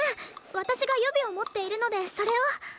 私が予備を持っているのでそれを。